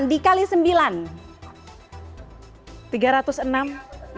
empat belas dikali tiga dikurang delapan dikali sembilan